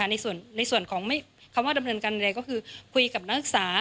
ในส่วนของคำว่าดำเนินการใดก็คือคุยกับนักศึกษา